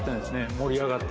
盛り上がって。